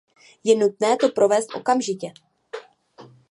Je nutné to provést okamžitě.